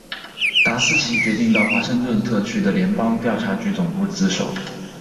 达斯奇决定到华盛顿特区的联邦调查局总部自首。